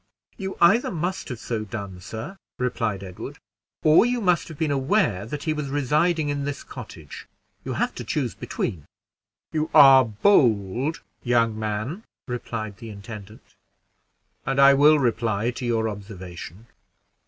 "You either must have so done, sir." replied Edward, "or you must have been aware that he was residing in this cottage: you have to choose between." "You are bold, young man," replied the intendant, "and I will reply to your observation.